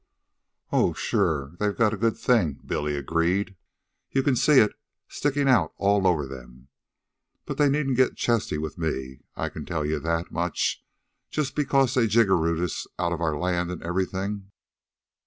"Oh, sure, they got a good thing," Billy agreed. "You can see it stickin' out all over them. But they needn't get chesty with ME, I can tell you that much just because they've jiggerooed us out of our land an' everything."